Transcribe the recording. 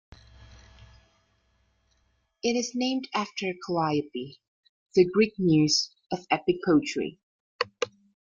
It is named after Calliope, the Greek Muse of epic poetry.